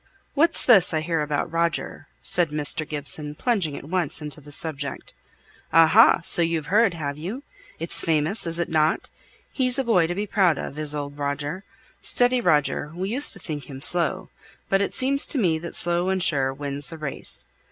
"What's this I hear about Roger?" said Mr. Gibson, plunging at once into the subject. "Aha! so you've heard, have you? It's famous, isn't it? He's a boy to be proud of, is old Roger. Steady Roger; we used to think him slow, but it seems to me that slow and sure wins the race.